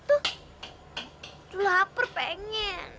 tuh tuh lapar pengen